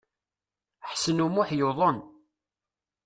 Ḥsen U Muḥ yuḍen.